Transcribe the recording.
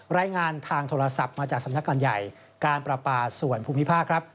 รายงานทางโทรศัพท์มาจากสำนักการใหญ่การประปาส่วนภูมิภาคครับ